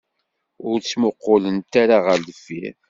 Ur ttmuqulemt ara ɣer deffir.